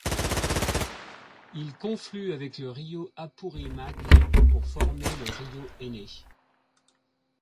Il conflue avec le río Apurímac pour former le río Ene.